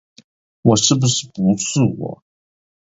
我是不是不是我？